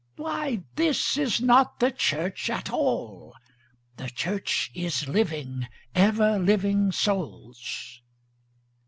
Why this is not the church at all the church is living, ever living souls.")